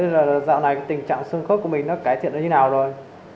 thế là dạo này tình trạng sương khớp của mình nó cải thiện ra như nào rồi